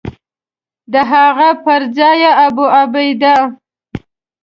د هغه پر ځای یې ابوعبیده.